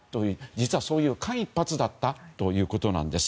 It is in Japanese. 実はそういう間一髪だったということなんです。